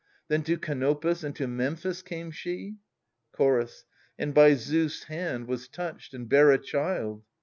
Then to Canopus and to Memphis came she ? Chorus. And by Zeus' hand was touched, and bare a child.